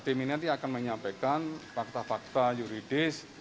tim ini nanti akan menyampaikan fakta fakta yuridis